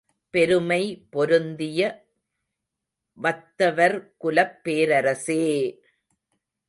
பெருமை பொருந்திய வத்தவர்குலப் பேரரசே!